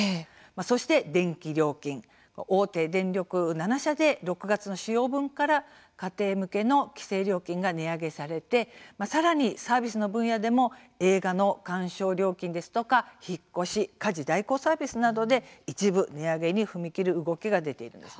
そして電気料金大手電力７社で６月の使用分から家庭向けの規制料金が値上げされてさらにサービスの分野でも映画の鑑賞料金ですとか引っ越し家事代行サービスなどで一部、値上げに踏み切る動きが出ています。